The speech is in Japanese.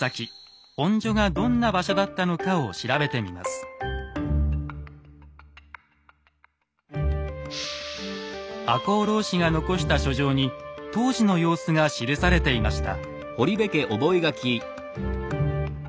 謎の核心に迫るため赤穂浪士が残した書状に当時の様子が記されていました。